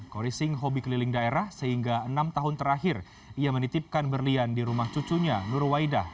khori singh hobi keliling daerah sehingga enam tahun terakhir ia menitipkan berlian di rumah cucunya nur waidah